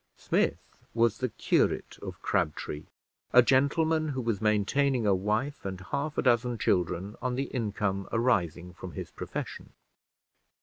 Smith was the curate of Crabtree, a gentleman who was maintaining a wife and half a dozen children on the income arising from his profession.